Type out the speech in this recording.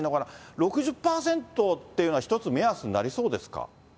６０％っていうのは一つ目安になりそうですか。